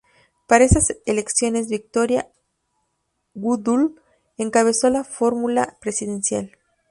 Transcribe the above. Para esas elecciones Victoria Woodhull encabezó la fórmula presidencial.